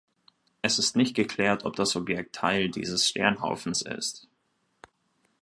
Es ist nicht geklärt, ob das Objekt Teil dieses Sternhaufens ist.